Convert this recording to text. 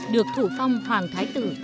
được thủ phong hoàng thái tử